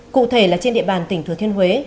cụ thể là trên địa bàn tỉnh thừa thiên huế